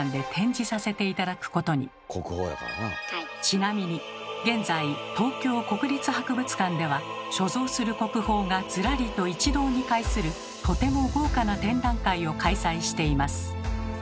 ちなみに現在東京国立博物館では所蔵する国宝がずらりと一堂に会するとても豪華な展覧会を開催しています。